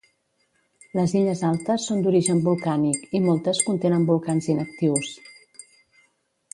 Les illes altes són d'origen volcànic, i moltes contenen volcans inactius.